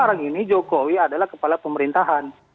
sekarang ini jokowi adalah kepala pemerintahan